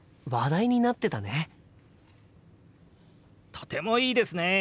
とてもいいですね！